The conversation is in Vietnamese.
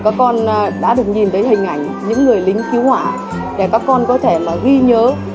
các con đã được nhìn thấy hình ảnh những người lính cứu hỏa để các con có thể ghi nhớ